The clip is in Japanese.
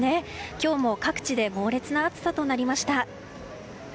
今日も各地で猛烈な暑さとなりました。